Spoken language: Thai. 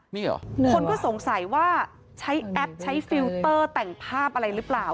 นี่เหรอคนก็สงสัยว่าใช้แอปใช้ฟิลเตอร์แต่งภาพอะไรหรือเปล่า